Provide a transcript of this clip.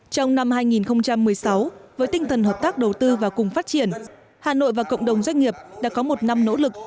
trong năm hai nghìn một mươi sáu với tinh thần hợp tác đầu tư và cùng phát triển hà nội và cộng đồng doanh nghiệp đã có một năm nỗ lực